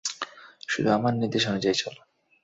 শুধু আমার নির্দেশ অনুযায়ী চল।